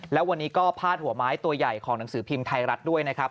แล้ววันนี้ก็พาดหัวไม้ตัวใหญ่ของหนังสือพิมพ์ไทยรัฐด้วยนะครับ